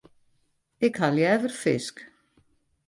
Ik ha leaver fisk.